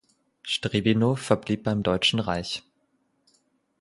Strebinow verblieb beim Deutschen Reich.